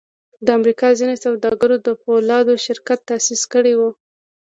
د امریکا ځینو سوداګرو د پولادو شرکت تاسیس کړی و